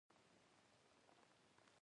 استاد فضلي ښه وو بیداره و.